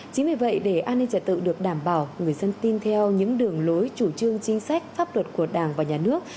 chính vì vậy để an ninh trả tự được đảm bảo người dân tin theo những đường lối chủ trương chính sách pháp luật của đảng và nhà nước